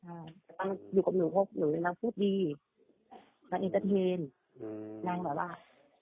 เอือแต่ตั้งอยู่กับหนูพวกหนูอินาฟูดดีอินเตอร์เทรนอืมนางแหลกว่า